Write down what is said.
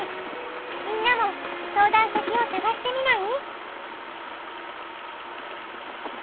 みんなも相談先をさがしてみない？